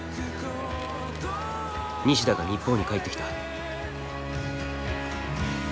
西田が日本に帰ってきた。